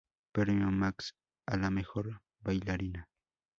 Premio Max a la mejor bailarina.